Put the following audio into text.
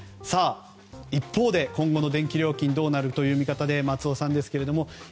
一方で、今後の電気料金どうなるかということで松尾さんの見立てです。